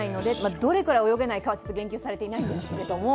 どれくらい泳げないかは言及されていないんですけど